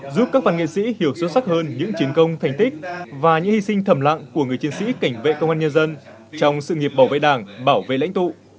giúp các văn nghệ sĩ hiểu sâu sắc hơn những chiến công thành tích và những hy sinh thầm lặng của người chiến sĩ cảnh vệ công an nhân dân trong sự nghiệp bảo vệ đảng bảo vệ lãnh tụ